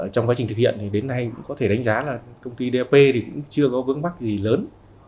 trong quá trình thực hiện thì đến nay cũng có thể đánh giá là công ty dap thì cũng chưa có vững mắc gì lớn